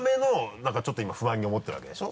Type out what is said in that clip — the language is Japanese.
何かちょっと今不安に思ってるわけでしょ？